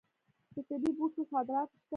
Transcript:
د طبي بوټو صادرات شته.